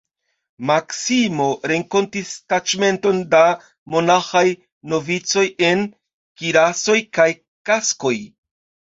Maksimo renkontis taĉmenton da monaĥaj novicoj en kirasoj kaj kaskoj.